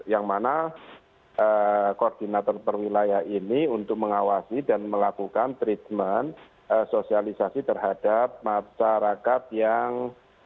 yang mana koordinator perwilayah ini untuk mengawasi dan melakukan treatment sosialisasi terhadap masyarakat yang